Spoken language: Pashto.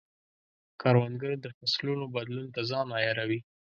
کروندګر د فصلونو بدلون ته ځان عیاروي